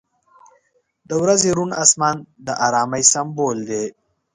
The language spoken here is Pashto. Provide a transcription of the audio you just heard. • د ورځې روڼ آسمان د آرامۍ سمبول دی.